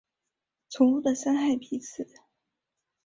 重复的伤害彼此